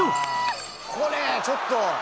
「これちょっと！」